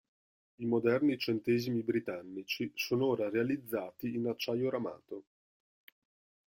I moderni centesimi britannici sono ora realizzati in acciaio ramato.